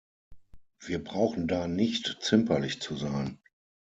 Wir brauchen da nicht zimperlich zu sein.